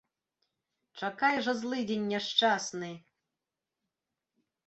Чакай жа, злыдзень няшчасны!